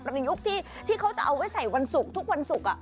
ประนิยุที่ที่เขาจะเอาไว้ใส่วันสุกทุกวันสุก